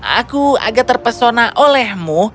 aku agak terpesona olehmu